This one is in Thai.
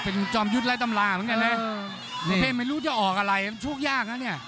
เป็นจอมยุทธ์ไร้ตำราเหมือนกันนะในเพศไม่รู้จะออกอะไรมันโชคยากนะเนี่ย